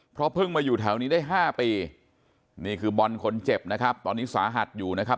เพราะเพิ่งมาอยู่แถวนี้ได้๕ปีนี่คือบอลคนเจ็บนะครับตอนนี้สาหัสอยู่นะครับ